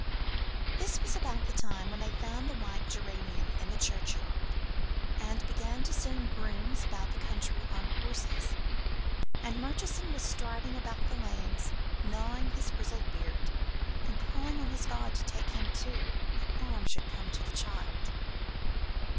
This was about the time when they found the white geranium in the churchyard, and began to send grooms about the country on horses. And Murchison was striding about the lanes gnawing his grizzled beard and calling on his God to take him, too, if harm had come to the child.